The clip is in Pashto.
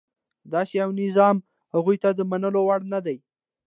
داسې یو نظام هغوی ته د منلو وړ نه دی.